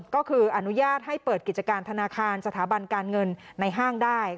ก็คืออนุญาตให้เปิดกิจการธนาคารสถาบันการเงินในห้างได้